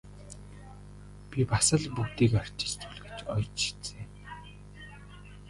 Би бас л бүгдийг арчиж зүлгэж оёж шидсэн!